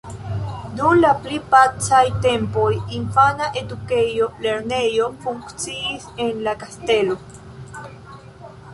Dum la pli pacaj tempoj infana edukejo, lernejo funkciis en la kastelo.